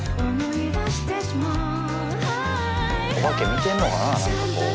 お化け見てんのかなぁ何かこう。